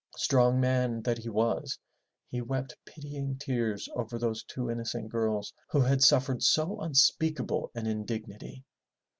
Strong man that he was, he wept pitying tears over those two innocent girls who had suffered so unspeakable an indignity.